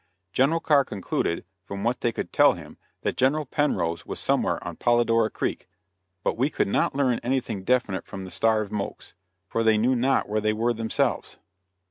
General Carr concluded, from what they could tell him, that General Penrose was somewhere on Polladora Creek; but we could not learn anything definite from the starved "mokes," for they knew not where they were themselves.